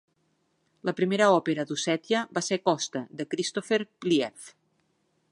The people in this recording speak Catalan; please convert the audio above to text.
La primera òpera d'Ossètia va ser "Kosta", de Christopher Pliev.